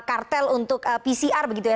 kartel untuk pcr begitu ya